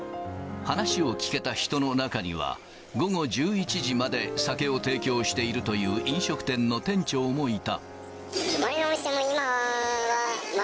話を聞けた人の中には、午後１１時まで酒を提供しているという飲食店の店長もいた。